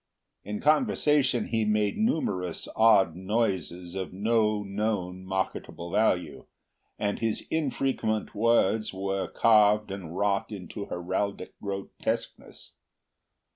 In conversation he made numerous odd noises of no known marketable value, and his infrequent words were carved and wrought into heraldic grotesqueness.